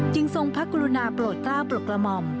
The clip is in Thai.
จึงทรงพระกุณาปรดก้าวปรดกรมม